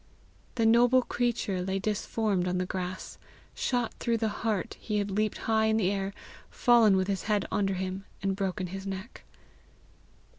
The noble creature lay disformed on the grass; shot through the heart he had leaped high in the air, fallen with his head under him, and broken his neck.